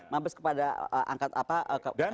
mabes kepada angkat apa angkatan masjid man